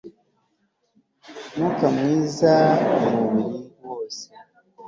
umwuka mwiza mu mubiri wose